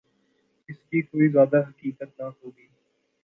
اس کی کوئی زیادہ حقیقت نہ ہو گی۔